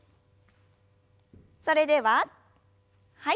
それでははい。